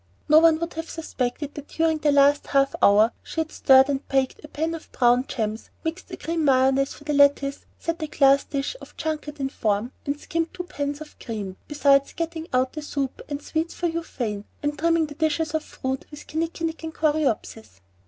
No one would have suspected that during the last half hour she had stirred and baked a pan of brown "gems," mixed a cream mayonnaise for the lettuce, set a glass dish of "junket" to form, and skimmed two pans of cream, beside getting out the soup and sweets for Euphane, and trimming the dishes of fruit with kinnikinick and coreopsis.